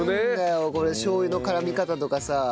これしょう油の絡み方とかさ。